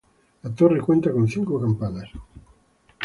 La torre cuenta con cinco campanas.